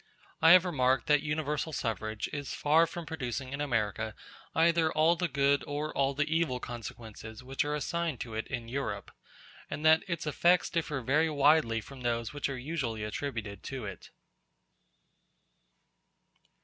I have remarked that Universal Suffrage is far from producing in America either all the good or all the evil consequences which are assigned to it in Europe, and that its effects differ very widely from those which are usually attributed to it.